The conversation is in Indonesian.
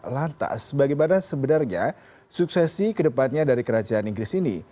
lantas bagaimana sebenarnya suksesi kedepannya dari kerajaan inggris ini